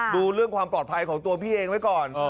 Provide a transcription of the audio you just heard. ดูความปลอดภัยของตัวเองด้วยก่อน